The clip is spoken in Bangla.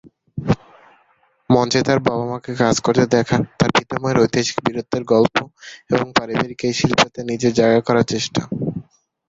মঞ্চে তার বাবা-মাকে কাজ করতে দেখা, তার পিতামহের ঐতিহাসিক বীরত্বের গল্প, এবং পারিবারিক এই শিল্পে তার নিজের জায়গা করার চেষ্টা।